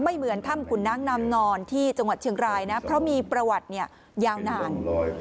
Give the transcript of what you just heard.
เหมือนถ้ำขุนน้ำนามนอนที่จังหวัดเชียงรายนะเพราะมีประวัติเนี่ยยาวนาน